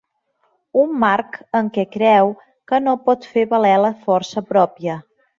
Un marc en què creu que no pot fer valer la força pròpia.